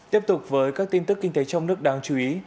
tiếp tục với các tin tức kinh tế trong nước đáng chú ý